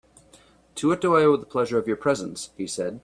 "To what do I owe the pleasure of your presence," he said.